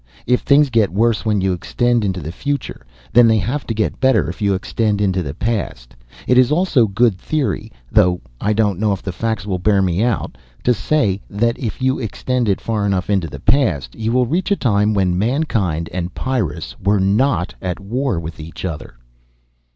If things get worse when you extend into the future, then they have to get better if you extend into the past. It is also good theory though I don't know if the facts will bear me out to say that if you extend it far enough into the past you will reach a time when mankind and Pyrrus were not at war with each other."